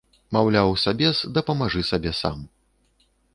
Маўляў, сабес, дапамажы сабе сам!